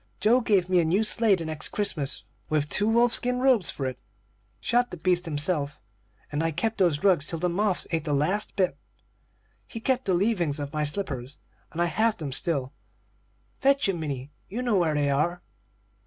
Joe gave me a new sleigh, the next Christmas, with two wolf skin robes for it, shot the beasts himself, and I kept those rugs till the moths ate the last bit. He kept the leavings of my slippers, and I have them still. Fetch 'em, Minnie you know where they are."